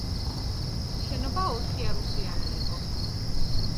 შენობა ოთხიარუსიანი იყო.